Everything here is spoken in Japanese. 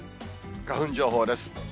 花粉情報です。